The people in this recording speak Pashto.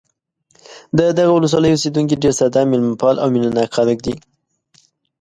د دغه ولسوالۍ اوسېدونکي ډېر ساده، مېلمه پال او مینه ناک خلک دي.